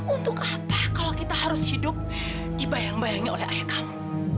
untuk apa kalau kita harus hidup dibayang bayangin oleh ayah kamu